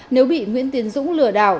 nếu bị nguyễn tiến dũng lừa đảo